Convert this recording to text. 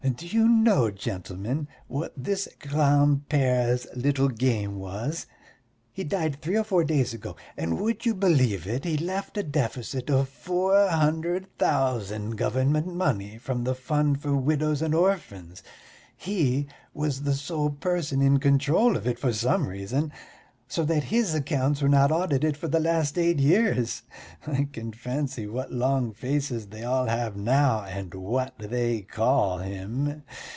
Do you know, gentlemen, what this grand père's little game was? He died three or four days ago, and would you believe it, he left a deficit of four hundred thousand government money from the fund for widows and orphans. He was the sole person in control of it for some reason, so that his accounts were not audited for the last eight years. I can fancy what long faces they all have now, and what they call him.